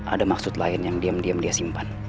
ada maksud lain yang diem diem dia simpan